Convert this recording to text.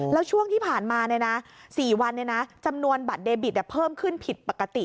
แล้วช่วงที่ผ่านมา๔วันจำนวนบัตรเดบิตเพิ่มขึ้นผิดปกติ